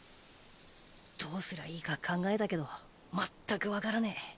どうすりゃいいか考えたけどまったくわからねえ。